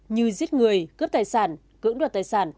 như giết người cướp tài sản cưỡng đoạt tài sản